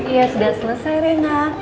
ya sudah selesai rena